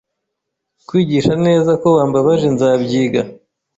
Kwigisha neza ko wambabaje nzabyiga